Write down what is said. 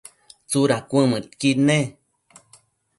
¿tsudad cuëdmëdquid ne?